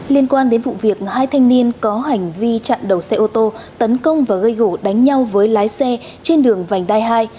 liên quan đến vụ việc hai thanh niên có hành vi chặn đầu xe ô tô tấn công và gây gỗ đánh nhau với lái xe trên đường vành đai hai